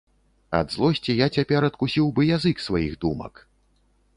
Ад злосці я цяпер адкусіў бы язык сваіх думак.